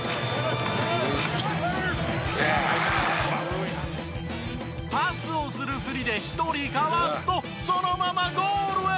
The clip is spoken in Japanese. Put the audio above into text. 「うわ！」パスをするふりで１人かわすとそのままゴールへ。